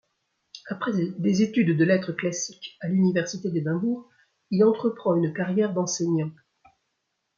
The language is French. Après des études de lettres classiques à l'université d'Édimbourg, il entreprend une carrière d'enseignant.